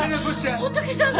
仏さんが！